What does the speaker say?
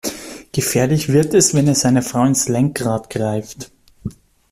Gefährlich wird es, wenn er seiner Frau ins Lenkrad greift.